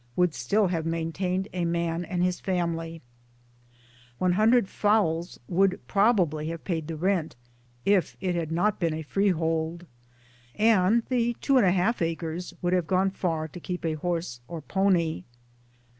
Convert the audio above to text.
would still have maintained a man and his family ; 100 fowls would probably have paid the rent (if it had not been a freehold) ; and the 2j acres would have gone far to keep a horse ,or pony.